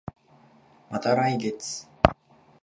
また来月